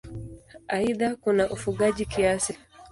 Aidha kuna ufugaji kiasi.